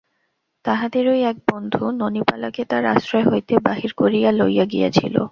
তাহাদেরই এক বন্ধু ননিবালাকে তার আশ্রয় হইতে বাহির করিয়া লইয়া গিয়াছিল।